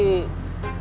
aku mau pergi